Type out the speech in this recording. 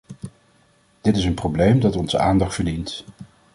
Dit is een probleem dat onze aandacht verdient.